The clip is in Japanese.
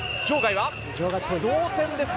同点ですね。